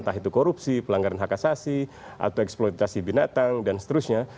entah itu korupsi pelanggaran hak asasi atau eksploitasi binatang dan seterusnya